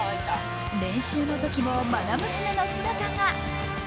練習のときも、まな娘の姿が。